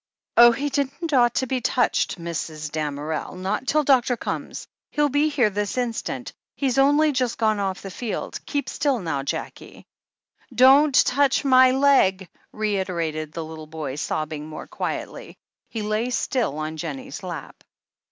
"Oh — ^he didn't ought to be touched, Mrs. Damerel — not till doctor comes. He'll be here this instant — ^he's only just gone off the field. Keep still now, Jackie." "Don't — ^touch — ^my — ^leg," reiterated the little boy, sobbing more quietly. He lay still on Jennie's lap.